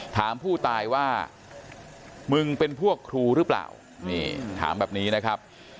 ถามผู้ตายว่ามึงเป็นพวกครูหรือเปล่านี่ถามแบบนี้นะครับ